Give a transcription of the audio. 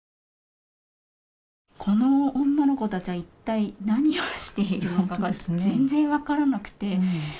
この女の子たちは一体何をしているのかが全然分からなくて。